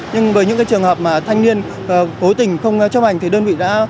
nhưng với những trường hợp mà thanh niên cố tình không chấp hành